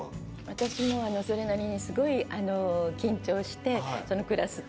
私もそれなりにすごい緊張して。